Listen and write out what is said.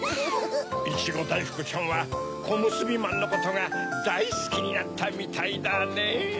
いちごだいふくちゃんはこむすびまんのことがだいすきになったみたいだねぇ。